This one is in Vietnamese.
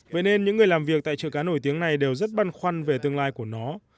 vậy nên những người làm việc tại chợ cá nổi tiếng này đều rất băn khoăn về tương lai của nó